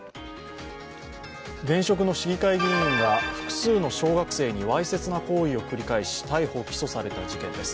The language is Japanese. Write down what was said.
現職の市議会議員が複数の小学生にわいせつな行為を繰り返し逮捕・起訴された事件です。